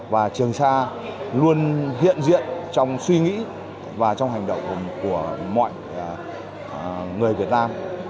và trường sa luôn hiện diện trong suy nghĩ và trong hành động của mọi người việt nam